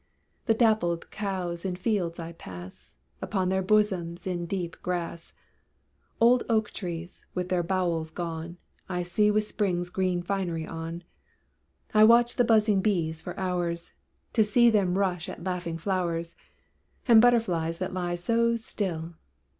The dappled cows in fields I pass, Up to their bosoms in deep grass; Old oak trees, with their bowels gone, I see with spring's green finery on. I watch the buzzing bees for hours, To see them rush at laughing flowers And butterflies that lie so still.